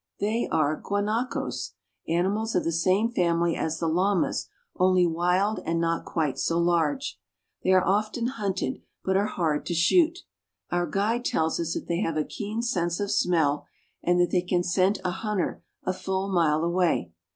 They are guanacos, animals of the same family as the llamas, only wild and not quite so large. They are often hunted, but are hard to shoot. Our guide tells us that they have a keen sense of smell and that they can scent a hunter a full mile away.